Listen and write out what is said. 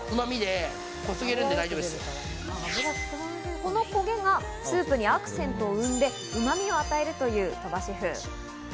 この焦げがスープにアクセントを生んで、うまみを与えるという鳥羽シェフ。